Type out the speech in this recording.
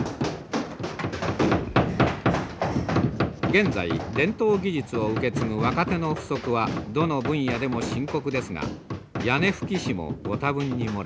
現在伝統技術を受け継ぐ若手の不足はどの分野でも深刻ですが屋根葺師もご多分に漏れません。